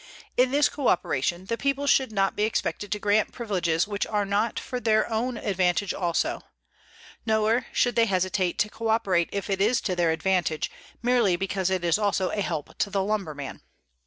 In this coöperation the people should not be expected to grant privileges which are not for their own advantage also. Nor should they hesitate to coöperate if it is to their advantage, merely because it is also a help to the lumberman.